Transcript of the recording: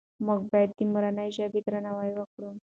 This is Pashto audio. موږ باید د مورنۍ ژبې درناوی وکړو.